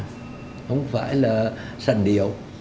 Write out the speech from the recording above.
không phải là sành điệu